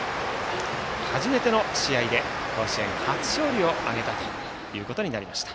初めての試合で甲子園初勝利を挙げたということになりました。